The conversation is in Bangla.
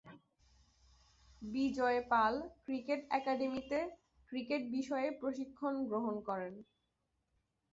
বিজয় পাল ক্রিকেট একাডেমিতে ক্রিকেট বিষয়ে প্রশিক্ষণ গ্রহণ করেন।